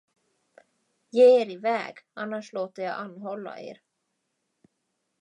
Ge er iväg, annars låter jag anhålla er.